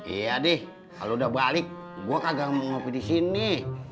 iya deh kalau udah balik gue kagak mau ngopi di sini